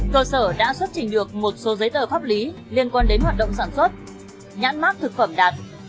cơ sở đã xuất trình được một số giấy tờ pháp lý liên quan đến hoạt động sản xuất nhãn mát thực phẩm đạt